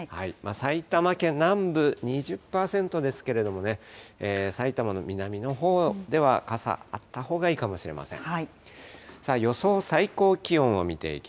埼玉県南部２０％ですけれどもね、埼玉の南のほうでは傘あったほうがいいかもしれません。